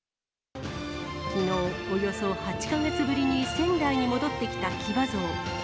きのう、およそ８か月ぶりに仙台に戻ってきた騎馬像。